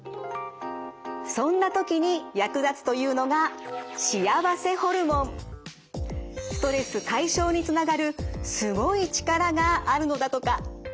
そんな時に役立つというのがストレス解消につながるすごい力があるのだとか。